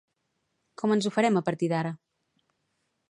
Com ens ho farem a partir d'ara?